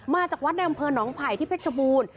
มาจากวัดในอำเภอหนองไผ่ที่เพชรบูรณ์